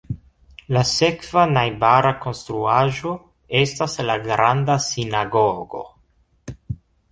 La sekva najbara konstruaĵo estas la Granda Sinagogo.